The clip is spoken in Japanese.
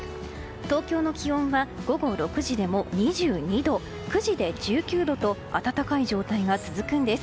東京の気温は午後６時でも２２度９時で１９度と暖かい状態が続くんです。